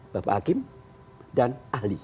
bapak hakim dan ahli